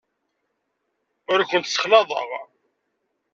Ur kent-ssexlaḍeɣ.